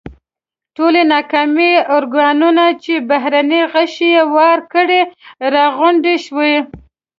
ټولې ناکامه ارواګانې چې بهرني غشي یې وار کړي راغونډې شوې.